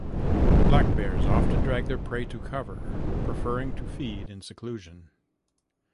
Black bears often drag their prey to cover, preferring to feed in seclusion.